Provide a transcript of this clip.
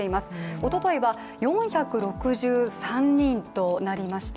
おとといは４６３人となりました。